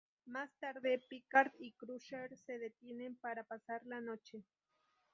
Más tarde, Picard y Crusher se detienen para pasar la noche.